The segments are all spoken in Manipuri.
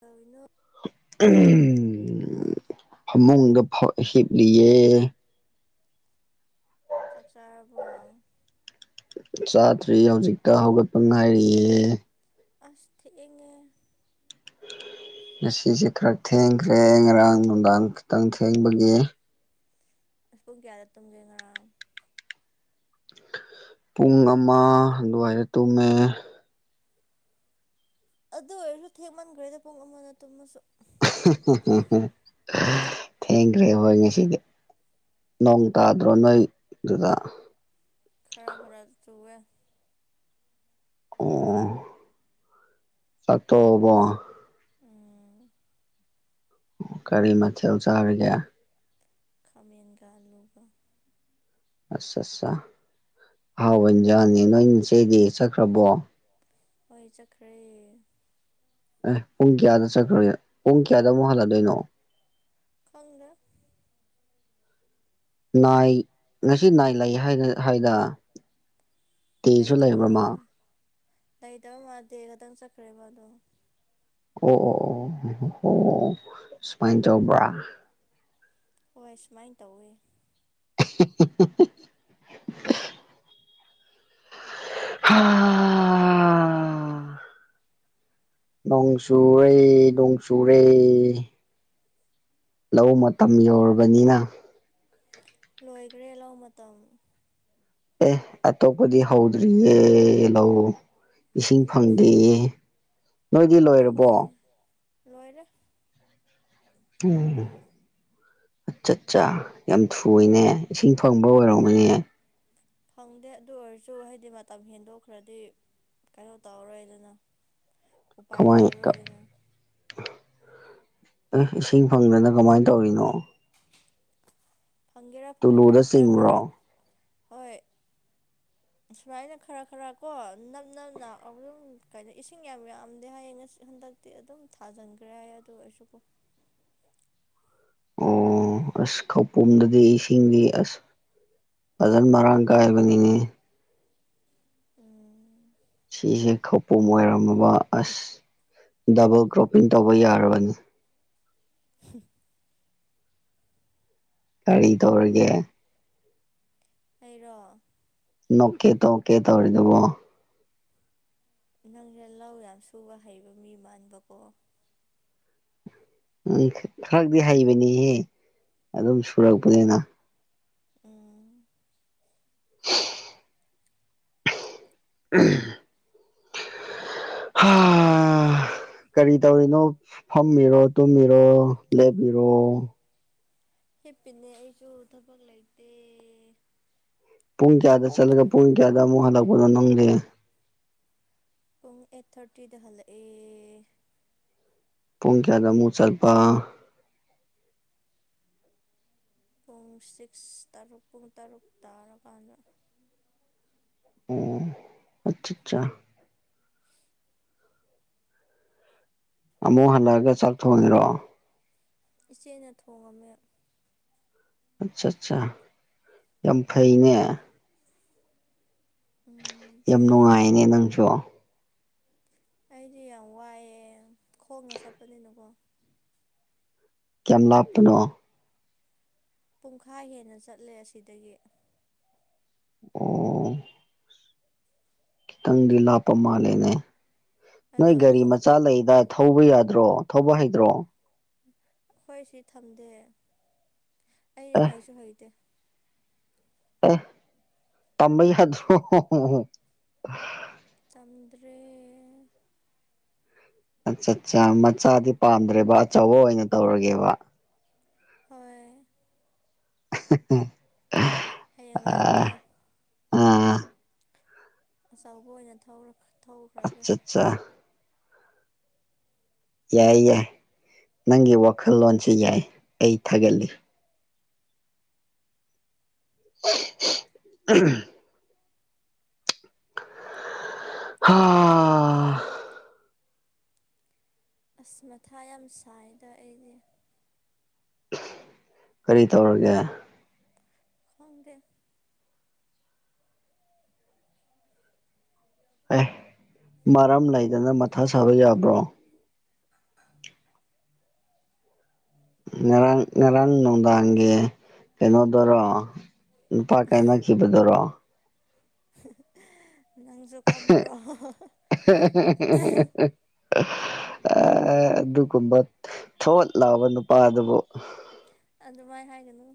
ꯀꯩꯗꯧꯔꯤꯅꯣ꯫ [unintelligible] ꯐꯃꯨꯡꯗ ꯐ ꯍꯤꯞꯂꯤꯌꯦ꯫ ꯆꯥꯛ ꯆꯥꯔꯕꯣ꯫ ꯆꯥꯗ꯭ꯔꯤ ꯍꯧꯖꯤꯛꯇ ꯍꯧꯒꯠꯄ ꯉꯥꯏꯔꯤꯌꯦ꯫ ꯑꯁ ꯊꯦꯡꯉꯦ꯫ ꯉꯁꯤꯁꯦ ꯈꯔ ꯊꯦꯡꯈ꯭ꯔꯦ ꯉꯔꯥꯡ ꯅꯨꯡꯗꯥꯡ ꯈꯤꯇꯪ ꯊꯦꯡꯕꯒꯤ꯫ ꯑꯁ ꯄꯨꯡ ꯀꯌꯥꯗ ꯇꯨꯝꯒꯦ ꯉꯔꯥꯡ꯫ ꯄꯨꯡ ꯑꯃ ꯑꯗꯨꯋꯥꯏꯗ ꯇꯨꯝꯃꯦ꯫ ꯑꯗꯨ ꯑꯣꯏꯔꯁꯨ ꯊꯦꯡꯃꯟꯈ꯭ꯔꯦꯗ ꯄꯨꯡ ꯑꯃꯗ ꯇꯨꯝꯃꯁꯨ꯫ ꯊꯦꯡꯈ꯭ꯔꯦ ꯍꯣꯏ ꯉꯁꯤꯗꯤ꯫ ꯅꯣꯡ ꯇꯥꯗ꯭ꯔꯣ ꯅꯣꯏ ꯗꯨꯗ꯫ ꯈꯔ ꯈꯔ ꯆꯨꯋꯦ꯫ ꯑꯣ ꯆꯥꯛ ꯇꯣꯛꯑꯕꯣ꯫ ꯎꯝ꯫ ꯑꯣ ꯀꯔꯤ ꯃꯊꯦꯜ ꯆꯥꯔꯒꯦ꯫ ꯈꯥꯃꯦꯟꯒ ꯑꯂꯨꯒ꯫ ꯑꯠꯆꯥ ꯆꯥ ꯑꯍꯥꯎꯕ ꯏꯟꯖꯥꯡꯅꯦ ꯅꯣꯏꯆꯦꯗꯤ ꯆꯠꯈ꯭ꯔꯕꯣ꯫ ꯍꯣꯏ ꯆꯠꯈ꯭ꯔꯦ꯫ ꯑꯦ ꯄꯨꯡ ꯀꯌꯥꯗ ꯆꯠꯈ꯭ꯔꯒꯦ ꯄꯨꯡ ꯀꯌꯥꯗ ꯑꯃꯨꯛ ꯍꯜꯂꯗꯣꯏꯅꯣ꯫ ꯈꯪꯗꯦ꯫ ꯅꯥꯏ ꯉꯁꯤ ꯅꯥꯏꯠ ꯂꯩ ꯍꯥꯏꯒ ꯍꯥꯏꯗ꯫ ꯇꯦꯁꯨ ꯂꯩꯇꯕ ꯂꯩꯕ꯭ꯔ ꯃꯥ ꯃꯥꯜꯂꯦ ꯂꯩꯇꯕ ꯃꯥ ꯗꯦ ꯈꯇꯪ ꯆꯠꯈ꯭ꯔꯦꯕ ꯑꯗꯣ꯫ ꯑꯣ ꯑꯣ ꯑꯣ ꯑꯣ [inaudible] ꯁꯨꯃꯥꯏ ꯇꯧꯕꯔ꯫ ꯍꯣꯏ ꯁꯨꯃꯥꯏ ꯇꯧꯋꯦ꯫ [unintelligible] ꯍꯥ꯫ ꯅꯣꯡ ꯆꯨꯔꯦ ꯅꯣꯡ ꯆꯨꯔꯦ꯫ ꯂꯧ ꯃꯇꯝ ꯌꯧꯔꯕꯅꯤꯅ꯫ ꯂꯣꯏꯈ꯭ꯔꯦ ꯂꯧ ꯃꯇꯝ꯫ ꯑꯦ ꯑꯇꯣꯞꯄꯗꯤ ꯍꯧꯗ꯭ꯔꯤꯌꯦ ꯂꯧ꯫ ꯏꯁꯤꯡ ꯐꯪꯗꯤꯌꯦ꯫ ꯑꯩꯈꯣꯏ ꯂꯣꯏꯔꯦ꯫ [unintelligible] ꯑꯠ ꯆ ꯆꯥ ꯌꯥꯝ ꯊꯨꯋꯤꯅꯦ ꯏꯁꯤꯡ ꯐꯪꯕ ꯑꯣꯏꯔꯝꯒꯅꯤꯌꯦ꯫ ꯐꯪꯗꯦ ꯑꯗꯨ ꯑꯣꯏꯔꯁꯨ ꯍꯥꯏꯗꯤ ꯃꯇꯝ ꯍꯦꯟꯗꯣꯛꯈ꯭ꯔꯗꯤ ꯀꯩꯅꯣ ꯇꯧꯔꯔꯣꯏꯗꯅ꯫ ꯎꯄꯥꯏ ꯀꯃꯥꯏ ꯀ ꯂꯩꯔꯔꯣꯏꯗꯅ ꯑꯦ ꯏꯁꯤꯡ ꯐꯪꯗꯅ ꯀꯃꯥꯏꯅ ꯇꯧꯔꯤꯅꯣ꯫ ꯐꯪꯒꯦꯔꯥ ꯐꯪꯉꯣꯏꯔꯥ ꯇꯨꯂꯨꯗ ꯈꯔ ꯈꯔ ꯆꯤꯡꯕ꯭ꯔꯣ ꯍꯣꯏ꯫ ꯁꯨꯃꯥꯏꯅ ꯈꯔ ꯈꯔ ꯀꯣ ꯅꯛ ꯅꯛꯅ ꯑꯗꯨꯝ ꯀꯩꯅꯣ ꯏꯁꯤꯡ ꯌꯥꯝ ꯌꯥꯝꯗꯦ ꯍꯥꯏꯌꯦ ꯉꯁ ꯍꯟꯗꯛ ꯇꯤ ꯑꯗꯨꯝ ꯊꯥꯖꯟꯈ꯭ꯔꯦ ꯍꯥꯏꯌꯦ ꯑꯗꯨ ꯑꯣꯏꯔꯁꯨ ꯀꯣ꯫ ꯑꯣ ꯑꯁ ꯈꯧꯄꯨꯝꯗꯗꯤ ꯏꯁꯤꯡꯗꯤ ꯑꯁ ꯐꯖꯅ ꯃꯔꯥꯡ ꯀꯥꯏꯕꯅꯤꯅꯦ꯫ ꯎꯝ꯫ ꯁꯤꯁꯦ ꯈꯧꯄꯨꯝ ꯑꯣꯏꯔꯝꯃꯕ ꯑꯁ ꯗꯕꯜ ꯀ꯭ꯔꯣꯞꯄꯤꯡ ꯇꯧꯕ ꯌꯥꯔꯕꯅꯤ꯫ ꯀꯔꯤ ꯇꯧꯔꯒꯦ ꯑꯩꯔꯣ ꯅꯣꯛꯀꯦ ꯗꯣꯀꯦ ꯇꯧꯔꯤꯗꯨꯕꯣ ꯅꯪꯖꯦ ꯂꯧ ꯌꯥꯝ ꯁꯨꯕ ꯍꯩꯕ ꯃꯤ ꯃꯥꯟꯕꯀꯣ ꯑꯩ ꯈꯔꯗꯤ ꯍꯩꯕꯅꯤꯍꯦ ꯑꯗꯨꯝ ꯁꯨꯔꯛꯄꯅꯤꯅ ꯑꯥ [inaudible] [unintelligible] ꯍꯥ [inaudible] ꯀꯔꯤ ꯇꯧꯔꯤꯅꯣ ꯐꯝꯃꯤꯔꯣ ꯇꯨꯝꯃꯤꯔꯣ ꯂꯦꯞꯄꯤꯔꯣ ꯍꯤꯞꯄꯤꯅꯦ ꯑꯩꯁꯨ ꯊꯕꯛ ꯂꯩꯇꯦ ꯄꯨꯡ ꯀꯌꯥꯗ ꯆꯠꯂꯒ ꯄꯨꯡ ꯀꯌꯥꯗ ꯑꯃꯨꯛ ꯍꯜꯂꯛꯄꯅꯣ ꯅꯪꯗꯤ ꯄꯨꯡ ꯑꯩꯠ ꯊꯥꯔꯇꯤꯗ ꯍꯜꯂꯛꯑꯦ ꯄꯨꯡ ꯀꯌꯥꯗ ꯑꯃꯨꯛ ꯆꯠꯄ ꯄꯨꯡ ꯁꯤꯛꯁ ꯇꯔꯨꯛ ꯄꯨꯡ ꯇꯔꯨꯛ ꯇꯥꯔꯀꯥꯟꯗ ꯑꯣ ꯑꯠꯆꯥ ꯆꯥ ꯑꯃꯨꯛ ꯍꯜꯂꯛꯑꯒ ꯆꯥꯛ ꯊꯣꯡꯉꯤꯔꯣ ꯏꯆꯦꯅ ꯊꯣꯡꯉꯝꯃꯦ ꯑꯠꯆꯥ ꯆꯥ ꯌꯥꯝ ꯐꯩꯅꯦ ꯎꯝ ꯌꯥꯝ ꯐꯩꯌꯦ ꯅꯨꯡꯉꯥꯏꯅꯦ ꯅꯪꯁꯨ ꯑꯩꯗꯤ ꯌꯥꯝ ꯋꯥꯏꯌꯦ ꯈꯣꯡꯅ ꯆꯠꯄꯅꯤꯅꯀꯣ ꯀꯌꯥꯝ ꯂꯥꯞꯄꯅꯣ ꯄꯨꯡꯈꯥꯏ ꯍꯦꯟꯅ ꯆꯠꯂꯦ ꯑꯁꯤꯗꯒꯤ ꯑꯣ ꯈꯤꯇꯪꯗꯤ ꯂꯥꯞꯄ ꯃꯥꯜꯂꯦꯅꯦ ꯑꯗꯣ ꯅꯣꯏ ꯒꯥꯔꯤ ꯑꯃꯨꯛ ꯃꯆꯥ ꯂꯩꯗꯥꯢ ꯊꯧꯕ ꯌꯥꯗ꯭ꯔꯣ ꯊꯧꯕ ꯍꯩꯇ꯭ꯔꯣ ꯑꯈꯣꯏ ꯁꯤ ꯊꯝꯗꯦ ꯑꯩ ꯑꯦ ꯍꯩꯁꯨ ꯍꯩꯇꯦ ꯑꯦ ꯇꯝꯕ ꯌꯥꯗ꯭ꯔꯣ ꯇꯝꯗ꯭ꯔꯦ ꯑꯆꯠꯆꯥ ꯃꯆꯥꯗꯤ ꯄꯥꯝꯗ꯭ꯔꯦꯕ ꯑꯆꯧꯕ ꯑꯣꯏꯅ ꯇꯧꯔꯒꯦꯕ ꯍꯣꯏ [unintelligible] ꯍꯌꯦꯡꯋꯥꯏꯀꯣ ꯑꯥ ꯑꯥ ꯑꯆꯧꯕ ꯑꯣꯏꯅ ꯊꯧꯔꯣ ꯊꯧꯈ꯭ꯔꯒꯦ ꯆꯥ ꯌꯥꯏ ꯌꯥꯏ ꯅꯪꯒꯤ ꯋꯥꯈꯜꯂꯣꯟꯁꯤ ꯌꯥꯏ ꯑꯩ ꯊꯥꯒꯠꯂꯤ [unintelligible] ꯍꯥ ꯑꯁ ꯃꯊꯥ ꯌꯥꯝ ꯁꯥꯏꯗ ꯑꯩꯗꯤ ꯀꯔꯤ ꯇꯧꯔꯒꯦ ꯈꯪꯗꯦ [inaudible] ꯑꯦ ꯃꯔꯝ ꯂꯩꯗꯅ ꯃꯊꯥ ꯁꯥꯕ ꯌꯥꯕ꯭ꯔꯣ ꯉꯔꯥꯡ ꯉꯔꯥꯡ ꯅꯨꯡꯗꯥꯡꯒꯤ ꯀꯩꯅꯣꯗꯣꯔꯣ ꯅꯨꯄꯥ ꯀꯥꯏꯅꯈꯤꯕꯗꯨꯔꯣ ꯅꯪꯖꯨ ꯈꯪꯕ꯭ꯔꯣ ꯍꯥ ꯍꯥ ꯍꯥ ꯑꯦ ꯑꯗꯨꯒꯨꯝꯕ ꯊꯣꯠ ꯂꯥꯎꯕ ꯅꯨꯄꯥꯗꯨꯕꯨ ꯑꯗꯨꯃꯥꯏ ꯍꯥꯏꯒꯅꯨ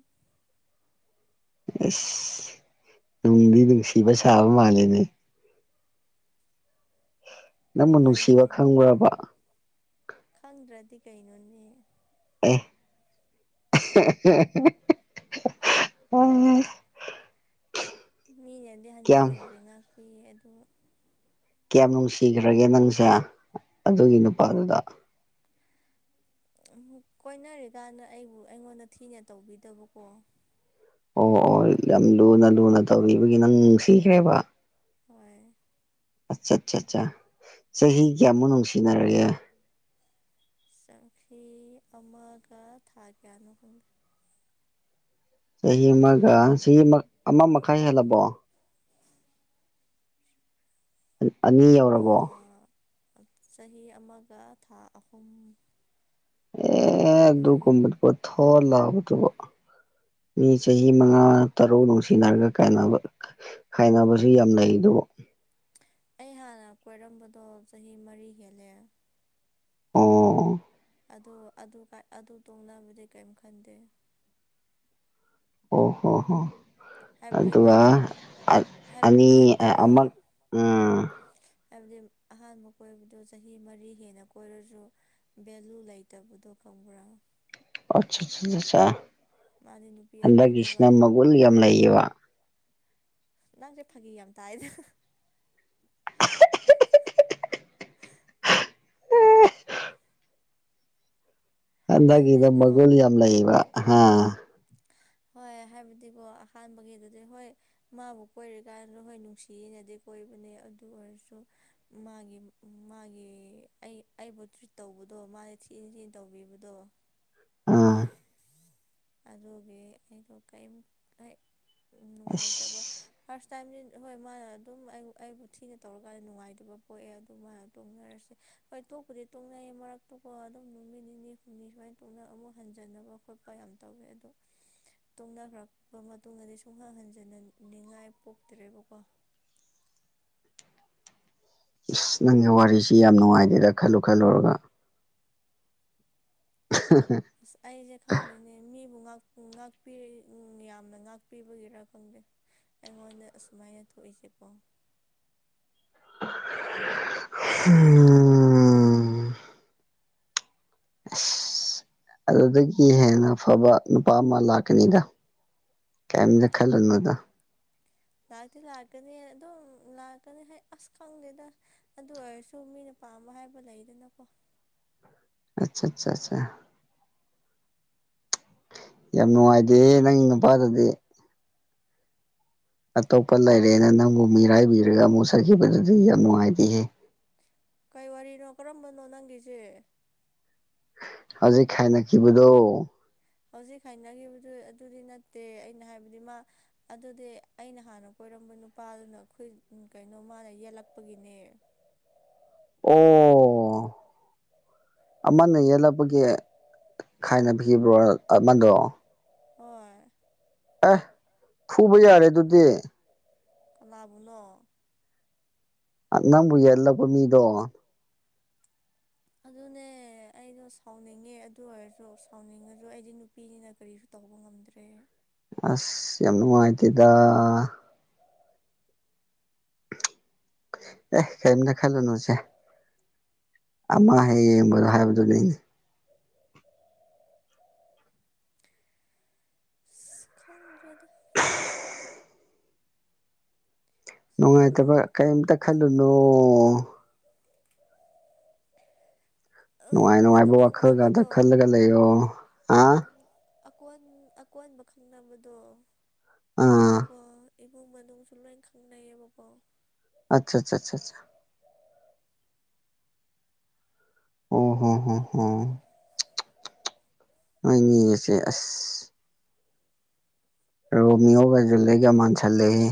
ꯑꯦꯁ ꯅꯨꯡꯗꯤ ꯅꯨꯡꯁꯤꯕ ꯁꯥꯕ ꯃꯥꯂꯦꯅꯦ ꯅꯪꯕꯨ ꯊꯋꯥꯏ ꯅꯨꯡꯁꯤꯕ ꯅꯨꯡꯉꯥꯏꯇꯦ ꯈꯪꯕ꯭ꯔꯕ ꯈꯪꯗ꯭ꯔꯗꯤ ꯀꯩꯅꯣꯅꯦ ꯑꯦ [unintelligible] ꯃꯤꯅꯗꯤ ꯍꯟꯖꯤꯟ ꯀꯌꯥꯝ ꯍꯟꯖꯤꯟ ꯉꯥꯛꯄꯤꯌꯦ ꯑꯗꯨ ꯀꯌꯥꯝ ꯅꯨꯡꯁꯤꯒ꯭ꯔꯒꯦ ꯅꯪꯁꯦ ꯑꯗꯨꯒꯤ ꯅꯨꯄꯥꯗꯨꯗ ꯀꯣꯏꯅꯔꯤꯀꯥꯟꯗ ꯑꯩꯕꯨ ꯑꯩꯉꯣꯟꯗ ꯊꯤꯅ ꯇꯧꯕꯤꯗꯕꯀꯣ ꯑꯣ ꯑꯣ ꯌꯥꯝ ꯂꯨꯅ ꯂꯨꯅ ꯇꯧꯕꯤꯕꯒꯤ ꯅꯪ ꯅꯨꯡꯁꯤꯈ꯭ꯔꯦꯕ ꯍꯣꯏ ꯑꯆꯠꯆꯥꯆꯥ ꯆꯍꯤ ꯀꯌꯥꯃꯨꯛ ꯅꯨꯡꯁꯤꯅꯔꯑꯦ ꯆꯥꯍꯤ ꯑꯃꯥꯒ ꯊꯥ ꯀꯌꯥꯅꯣ ꯈꯪꯗꯦ ꯆꯍꯤ ꯑꯃꯥꯒ ꯆꯍꯤ ꯑꯃ ꯑꯃꯥ ꯃꯈꯥꯏ ꯍꯦꯜꯂꯕꯣ ꯑꯅꯤ ꯌꯧꯔꯕꯣ ꯆꯍꯤ ꯑꯃꯒ ꯊꯥ ꯑꯍꯨꯝ ꯑꯍꯨꯝ ꯑꯦ ꯈꯔ ꯍꯦꯜꯂꯦ ꯑꯗꯨꯒꯨꯝꯕꯗꯨꯕꯣ ꯊꯣꯠ ꯂꯥꯎꯕꯗꯨꯕꯣ ꯃꯤ ꯆꯍꯤ ꯃꯉꯥ ꯇꯔꯨꯛ ꯅꯨꯡꯁꯤꯅꯔꯒ ꯀꯥꯏꯅꯕ ꯀꯥꯏꯅꯕꯁꯨ ꯌꯥꯝ ꯂꯩꯩꯗꯨꯕꯣ ꯑꯩ ꯍꯥꯟꯅ ꯀꯣꯏꯔꯝꯕꯗꯣ ꯆꯍꯤ ꯃꯔꯤ ꯍꯦꯜꯂꯦ ꯑꯣ ꯑꯣ ꯑꯗꯨ ꯑꯗꯨꯒꯥꯏ ꯑꯗꯨ ꯇꯣꯡꯅꯕꯗꯤ ꯀꯩꯝ ꯈꯟꯗꯦ ꯑꯣ ꯍꯣ ꯍꯣ ꯍꯥꯏꯕꯗꯤꯀꯣ ꯑꯗꯨꯒ ꯑꯠ ꯑꯅꯤ ꯑꯥ ꯑꯃꯛ ꯎꯝ ꯍꯥꯏꯕꯗꯤꯝ ꯑꯍꯥꯟꯕ ꯀꯣꯏꯕꯗꯨ ꯆꯍꯤ ꯃꯔꯤ ꯍꯦꯟꯅ ꯀꯣꯏꯔꯖꯨ ꯚꯦꯂꯨ ꯂꯩꯇꯕꯗꯣ ꯈꯪꯕ꯭ꯔꯥ ꯃꯥꯗꯤ ꯅꯨꯄꯤ [unintelligible] ꯑꯇꯣꯞꯄꯒ ꯍꯟꯗꯛꯀꯤꯁꯤꯅ ꯃꯒꯨꯟ ꯌꯥꯝ ꯂꯩꯌꯦꯕ ꯅꯪꯁꯦ ꯐꯥꯒꯤ ꯌꯥꯝ ꯇꯥꯏꯗ ꯍꯟꯗꯛꯀꯤꯅ ꯍꯥꯏꯕꯗꯤꯀꯣ ꯃꯒꯨꯜ ꯌꯥꯝ ꯂꯩꯌꯦꯕ ꯍꯥ ꯍꯣꯏ ꯍꯥꯏꯕꯗꯤꯀꯣ ꯑꯍꯥꯟꯕꯒꯤ ꯗꯨꯗꯤ ꯍꯣꯏ ꯃꯥꯕꯨ ꯀꯣꯏꯔꯤꯀꯥꯟ ꯍꯣꯏ ꯅꯨꯡꯁꯤꯌꯦꯅꯗꯤ ꯀꯣꯏꯕꯅꯦ ꯑꯗꯨ ꯑꯣꯏꯔꯁꯨ ꯃꯥꯒꯤ ꯃꯥꯒꯤ ꯑꯩ ꯑꯩꯕꯨ ꯇ꯭ꯔꯤꯠ ꯇꯧꯕꯗꯣ ꯃꯥꯅ ꯊꯤ ꯊꯤꯅ ꯇꯧꯕꯤꯕꯗꯣ ꯑꯥ ꯑꯗꯨꯒꯤ ꯑꯩꯗꯣ ꯀꯩꯝ ꯍꯦꯛ ꯑꯁ ꯅꯨꯡꯉꯥꯏꯇꯕ ꯐꯥꯔꯁ ꯇꯥꯏꯝꯗꯤ ꯍꯣꯏ ꯃꯥꯅ ꯑꯗꯨꯝ ꯑꯩꯕꯨ ꯊꯤꯅ ꯇꯧꯔꯀꯥꯟꯗ ꯅꯨꯡꯉꯥꯏꯇꯕ ꯄꯣꯛꯑꯦ ꯑꯗꯨ ꯃꯥꯅ ꯇꯣꯡꯅꯔꯁꯦ ꯍꯣꯏ ꯇꯣꯛꯄꯨꯗꯤ ꯇꯣꯛꯅꯩꯌꯦ ꯃꯔꯛꯇꯀꯣ ꯑꯗꯨꯝ ꯅꯨꯃꯤꯠ ꯅꯤꯅꯤ ꯍꯨꯝꯅꯤ ꯁꯨꯃꯥꯏꯅ ꯇꯣꯛꯅ ꯑꯃꯨꯛ ꯍꯟꯖꯟꯅꯕ ꯈꯣꯠꯄ ꯌꯥꯝ ꯇꯧꯋꯦ ꯑꯗꯣ ꯇꯣꯡꯅꯈ꯭ꯔꯕ ꯃꯇꯨꯡꯗꯗꯤ ꯁꯨꯡꯍꯟ ꯍꯟꯖꯤꯟ ꯅꯤꯡꯉꯥꯏ ꯄꯣꯛꯇ꯭ꯔꯦꯕꯀꯣ ꯏꯁ ꯅꯪꯒꯤ ꯋꯥꯔꯤꯁꯤ ꯌꯥꯝ ꯅꯨꯡꯉꯥꯏꯗꯦꯗ ꯈꯜꯂꯨ ꯈꯜꯂꯨꯔꯒ [unintelligible] ꯑꯁ ꯑꯩꯁꯦ ꯈꯪꯗꯦꯅꯦ ꯃꯤꯕꯨ ꯉꯥꯛ ꯉꯥꯛꯄꯤ ꯎꯝ ꯌꯥꯝꯅ ꯉꯥꯛꯄꯤꯕꯒꯤꯔꯥ ꯈꯪꯗꯦ ꯑꯩꯉꯣꯟꯗ ꯑꯁꯨꯃꯥꯏꯅ ꯊꯣꯛꯏꯁꯤꯀꯣ [unintelligible] ꯍꯨꯝ ꯑꯁ ꯑꯗꯨꯗꯒꯤ ꯍꯦꯟꯅ ꯐꯕ ꯅꯨꯄꯥ ꯑꯃ ꯂꯥꯛꯀꯅꯤꯗ ꯀꯦꯝꯗ ꯈꯜꯂꯨꯅꯣꯗ ꯂꯥꯛꯇꯤ ꯂꯥꯛꯀꯅꯤ ꯑꯗꯨꯝ ꯂꯥꯛꯀꯅꯤ ꯍꯥꯏ ꯑꯁ ꯈꯪꯗꯦꯗ ꯑꯗꯨ ꯑꯣꯏꯔꯁꯨ ꯃꯤꯅ ꯄꯥꯝꯕ ꯍꯥꯏꯕ ꯂꯩꯗꯅꯀꯣ ꯑꯆꯥꯆꯥꯆꯥ ꯌꯥꯝ ꯅꯨꯡꯉꯥꯏꯇꯦ ꯅꯪꯒꯤ ꯅꯨꯄꯥꯗꯨꯗꯤ ꯑꯇꯣꯞꯄ ꯂꯩꯔꯦꯅ ꯅꯪꯕꯨ ꯃꯤꯔꯥꯏꯕꯤꯔꯒ ꯑꯃꯨꯛ ꯆꯠꯈꯤꯕꯗꯨꯗꯤ ꯌꯥꯝ ꯅꯨꯡꯉꯥꯏꯇꯦꯍꯦ ꯀꯩ ꯋꯥꯔꯤꯅꯣ ꯀꯔꯝꯕꯅꯣ ꯅꯪꯒꯤꯁꯦ ꯍꯧꯖꯤꯛ ꯈꯥꯏꯅꯈꯤꯕꯗꯣ ꯍꯧꯖꯤꯛ ꯍꯥꯏꯅꯈꯤꯕꯗꯨ ꯑꯗꯨꯗꯤ ꯅꯠꯇꯦ ꯑꯩꯅ ꯍꯥꯏꯕꯗꯤ ꯃꯥ ꯑꯗꯨꯗꯤ ꯑꯩꯅ ꯍꯥꯟꯅ ꯀꯣꯏꯔꯝꯕ ꯅꯨꯄꯥꯗꯨꯅ ꯑꯩꯈꯣꯢ ꯀꯩꯅꯣ ꯃꯥꯅ ꯌꯦꯜꯂꯛꯄꯒꯤꯅꯦ ꯑꯣ ꯑꯃꯅ ꯌꯦꯜꯂꯛꯄꯒꯤ ꯈꯥꯏꯅꯕꯤꯈꯤꯕ꯭ꯔꯣ ꯑꯃꯗꯣ ꯍꯣꯏ ꯑꯦ ꯐꯨꯕ ꯌꯥꯔꯦ ꯑꯗꯨꯗꯤ ꯀꯅꯥꯕꯨꯅꯣ ꯑ ꯅꯪꯕꯨ ꯌꯦꯠꯂꯛꯄ ꯃꯤꯗꯣ ꯑꯗꯨꯅꯦ ꯑꯩꯗꯣ ꯁꯥꯎꯅꯤꯡꯉꯦ ꯑꯗꯨ ꯑꯣꯏꯔꯁꯨ ꯁꯥꯎꯅꯤꯡꯉꯁꯨ ꯑꯩꯗꯤ ꯅꯨꯄꯤꯅꯤꯅ ꯀꯔꯤꯁꯨ ꯇꯧꯕ ꯉꯝꯗ꯭ꯔꯦ ꯑꯁ ꯌꯥꯝ ꯅꯨꯡꯉꯥꯏꯇꯦꯗ ꯑꯦ ꯀꯔꯤꯝꯇ ꯈꯜꯂꯨꯅꯨꯁꯦ ꯑꯃ ꯍꯦꯛ ꯌꯦꯡꯕꯗꯣ ꯍꯥꯏꯕꯗꯨꯅꯤꯅꯦ ꯑꯁ [unintelligible] ꯁꯨꯝ ꯅꯨꯡꯉꯥꯏꯇꯕ ꯀꯔꯤꯝꯇ ꯈꯜꯂꯨꯅꯣ ꯎꯝ ꯅꯨꯡꯉꯥꯏ ꯀꯣꯟꯅꯥ ꯅꯨꯡꯉꯥꯏꯕ ꯋꯥꯈꯜ ꯉꯥꯛꯇ ꯈꯪꯅꯕꯗꯣ ꯈꯜꯂꯒ ꯂꯩꯌꯣ ꯑ [unintelligible] ꯑꯀꯣꯟ ꯑꯀꯣꯟꯕ ꯈꯪꯅꯕꯗꯣ ꯑꯥ ꯑꯗꯨꯗꯤꯀꯣ ꯏꯃꯨꯡ ꯃꯅꯨꯡꯁꯨ ꯂꯣꯏ ꯈꯪꯅꯩꯌꯦꯕꯀꯣ ꯑꯠꯆꯥ ꯆꯥꯆꯥꯆꯥ ꯑꯣ ꯍꯣ ꯍꯣ ꯍꯣ ꯅꯣꯢꯅꯤꯒꯤꯁꯦ ꯑꯁ ꯔꯣꯃꯤꯌꯣꯒ ꯖꯨꯂꯦꯠꯒ ꯃꯥꯟꯁꯤꯜꯂꯦꯍꯦ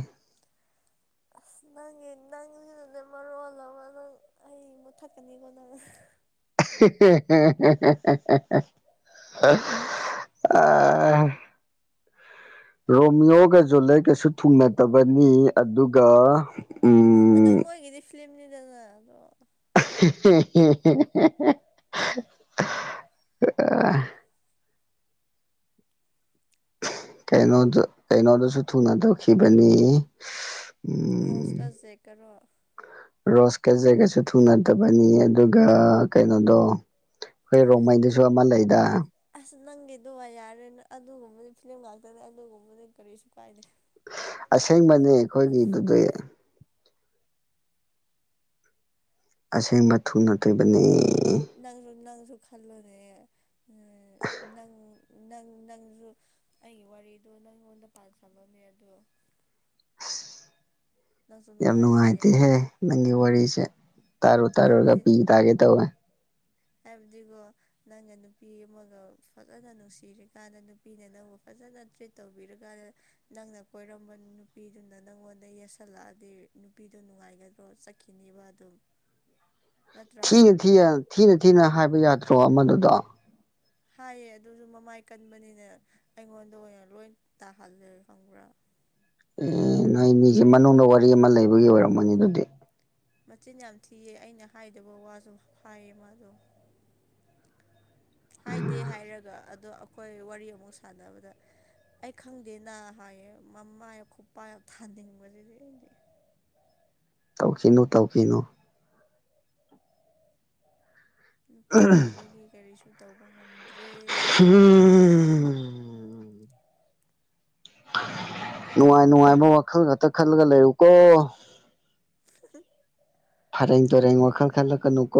ꯅꯪꯒꯤ ꯅꯪꯁꯤꯅꯅꯦ ꯃꯔꯣꯜ ꯑꯃ ꯅꯪ ꯑꯩ ꯃꯨꯠꯊꯠꯀꯅꯤꯀꯣ ꯅꯪ [unintelligible] ꯔꯣꯃꯤꯌꯣꯒ ꯖꯨꯂꯦꯠꯀꯁꯨ ꯊꯨꯡꯅꯗꯕꯅꯤ ꯑꯗꯨꯒ ꯑꯗꯨ ꯎꯝ ꯃꯣꯏꯒꯤꯗꯤ ꯐꯤꯂꯝꯅꯤꯗꯅ ꯑꯗꯣ [unintelligible] ꯀꯩꯅꯣꯗꯣ ꯀꯩꯅꯣꯗꯁꯨ ꯊꯨꯡꯅꯗꯈꯤꯕꯅꯤ ꯔꯣꯁ ꯀ ꯖꯦꯛꯀꯔꯣ ꯔꯣꯁ ꯀ ꯖꯦꯛꯀꯁꯨ ꯊꯨꯡꯅꯗꯕꯅꯤ ꯑꯗꯨꯒ ꯀꯩꯅꯣꯗꯣ ꯑꯩꯈꯣꯏ ꯔꯣꯡꯃꯩꯗꯁꯨ ꯑꯃ ꯂꯩꯗꯥꯢ ꯑꯁ ꯅꯪꯒꯤꯗꯨ ꯌꯥꯔꯦꯅ ꯑꯗꯨꯒꯨꯝꯕꯗꯤ ꯐꯤꯂꯝ ꯉꯥꯛꯇꯅꯦ ꯑꯗꯨꯒꯨꯝꯕꯗꯤ ꯀꯔꯤꯁꯨ ꯀꯥꯏꯗꯦ ꯑꯁꯦꯡꯕꯅꯦ ꯑꯩꯈꯣꯏꯒꯤꯗꯨꯗꯤ ꯑꯁꯦꯡꯕ ꯊꯨꯡꯅꯈꯤꯕꯅꯦ ꯅꯪꯖꯨ ꯅꯪꯖꯨ ꯈꯜꯂꯣꯅꯦ ꯅꯪ ꯅꯪ ꯅꯪꯖꯨ ꯑꯩꯒꯤ ꯋꯥꯔꯤꯗꯣ ꯅꯪꯉꯣꯟꯗ ꯄꯥꯟꯁꯜꯂꯣꯅꯦ ꯑꯗꯣ ꯑꯁ ꯅꯪꯁꯨ ꯌꯥꯝ ꯅꯨꯡꯉꯥꯏꯔꯣꯏꯌꯦ ꯅꯨꯡꯉꯥꯏꯇꯦꯍꯦ ꯅꯪꯒꯤ ꯋꯥꯔꯤꯁꯦ ꯇꯥꯔꯨ ꯇꯥꯔꯨꯔꯒ ꯄꯤ ꯇꯥꯒꯦ ꯇꯧꯋꯦ ꯍꯥꯏꯕꯗꯤꯒꯣ ꯅꯪꯅ ꯅꯨꯄꯤ ꯑꯃꯒ ꯐꯖꯅ ꯅꯨꯡꯁꯤꯔꯤꯀꯥꯟꯗ ꯅꯨꯄꯤꯅ ꯅꯪꯕꯨ ꯐꯖꯅ ꯇ꯭ꯔꯤꯠ ꯇꯧꯕꯤꯔꯀꯥꯟꯗ ꯅꯪꯅ ꯀꯣꯏꯔꯝꯕ ꯅꯨꯄꯤꯗꯨꯅ ꯅꯪꯉꯣꯟꯗ ꯌꯦꯁꯜꯂꯛꯑꯗꯤ ꯅꯨꯄꯤꯗꯣ ꯅꯨꯡꯉꯥꯏꯒꯗ꯭ꯔꯣ ꯀꯤꯅꯤꯕ ꯑꯗꯨꯝ ꯅꯠꯇ꯭ꯔꯥ ꯊꯤꯅ ꯊꯤ ꯊꯤꯅ ꯊꯤꯅ ꯍꯥꯏꯕ ꯌꯥꯗ꯭ꯔꯣ ꯑꯃꯗꯨꯗ ꯍꯥꯏꯌꯦ ꯑꯗꯨꯁꯨ ꯃꯃꯥꯏ ꯀꯟꯕꯅꯤꯅ ꯑꯩꯉꯣꯟꯗ ꯑꯣꯏꯅ ꯂꯣꯏ ꯇꯥꯍꯜꯂꯦ ꯈꯪꯕ꯭ꯔꯥ ꯑꯦ ꯅꯣꯏ ꯅꯤꯁꯦ ꯃꯅꯨꯡꯗ ꯋꯥꯔꯤ ꯑꯃ ꯂꯩꯕꯒꯤ ꯑꯣꯏꯔꯝꯃꯅꯤ ꯑꯗꯨꯗꯤ ꯃꯆꯤꯟ ꯌꯥꯝ ꯊꯤꯌꯦ ꯑꯩꯅ ꯍꯥꯏꯗꯕ ꯋꯥꯁꯨ ꯍꯥꯏꯌꯦ ꯃꯥꯗꯣ ꯍꯥꯏꯗꯦ ꯍꯥꯏꯔꯒ ꯑꯗꯣ ꯑꯩꯈꯣꯏ ꯋꯥꯔꯤ ꯑꯃꯨꯛ ꯁꯥꯟꯅꯕꯗ ꯑꯩ ꯈꯪꯗꯦꯅ ꯍꯥꯏꯌꯦ ꯃꯃꯥ ꯈꯨꯄꯥꯛ ꯊꯥꯅꯤꯡꯕꯁꯤꯗꯤ ꯑꯩꯗꯤ ꯇꯧꯈꯤꯅꯨ ꯇꯧꯈꯤꯅꯨ ꯅꯨꯄꯤ ꯑꯣꯏꯕꯒꯤ ꯀꯔꯤꯁꯨ ꯇꯧꯕ ꯉꯝꯗ꯭ꯔꯦ ꯅꯨꯡꯉꯥꯏ ꯅꯨꯡꯉꯥꯏꯕ ꯋꯥꯈꯜ ꯈꯛꯇ ꯈꯜꯂꯒ ꯂꯩꯌꯨꯀꯣ [unintelligible] ꯐꯔꯦꯡ ꯇꯨꯔꯦꯡ ꯋꯥꯈꯜ ꯈꯂꯛꯀꯨꯅꯨꯀꯣ